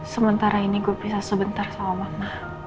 sementara ini gue bisa sebentar sama makna